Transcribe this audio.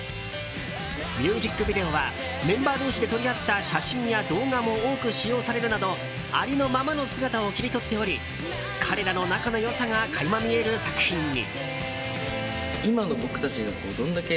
ミュージックビデオはメンバー同士で撮り合った写真や動画も多く使用されるなどありのままの姿を切り取っており彼らの仲の良さが垣間見える作品に。